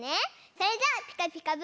それじゃあ「ピカピカブ！」